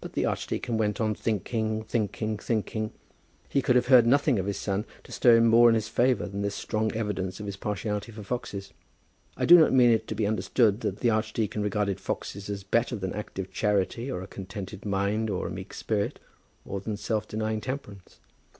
But the archdeacon went on thinking, thinking, thinking. He could have heard nothing of his son to stir him more in his favour than this strong evidence of his partiality for foxes. I do not mean it to be understood that the archdeacon regarded foxes as better than active charity, or a contented mind, or a meek spirit, or than self denying temperance.